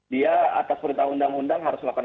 dia atas perintah undang undang harus melakukan